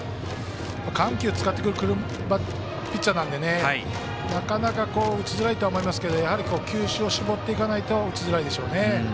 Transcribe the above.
緩急使ってくるピッチャーなのでなかなか打ちづらいとは思いますけど球種を絞っていかないと打ちづらいでしょうね。